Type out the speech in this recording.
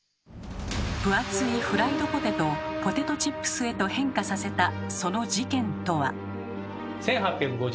分厚いフライドポテトをポテトチップスへと変化させたその事件とは。と言われています。